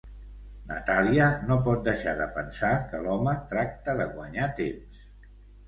Natàlia no pot deixar de pensar que l'home tracta de guanyar temps.